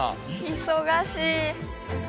忙しい。